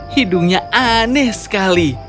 hidungnya aneh sekali